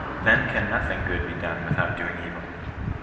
Then can nothing good be done with out doing evil.